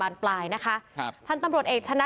ทีมข่าวเราก็พยายามสอบปากคำในแหบนะครับ